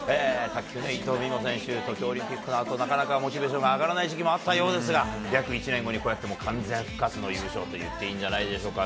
卓球の伊藤美誠選手、東京オリンピックのあと、なかなかモチベーションが上がらなかった時期もあったようですが、約１年後に完全復活の優勝といっていいんじゃないでしょうか。